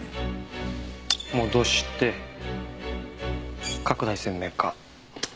戻して拡大鮮明化。